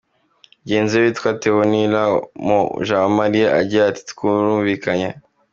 Mugenzi we witwa Tewonila Mujawamariya agira ati “Turumvikanye.